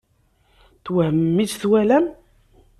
Twehmem mi tt-twalam?